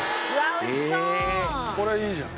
これいいじゃん。